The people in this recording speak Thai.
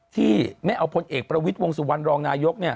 ที่แม่เอาผลเอกประวิทธิ์วงสุวรรณรองนายกเนี่ย